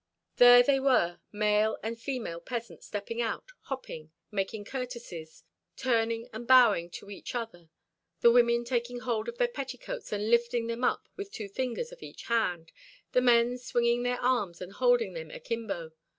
There they were, male and female peasants stepping out, hopping, making courtesies, turning and bowing to each other, the women taking hold of their petticoats and lifting them up with two fingers of each hand, the men swinging their arms or holding them akimbo.